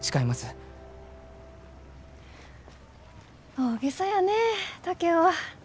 大げさやね竹雄は。